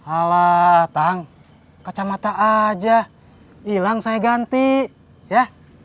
alah tang kacamata aja hilang saya ganti ya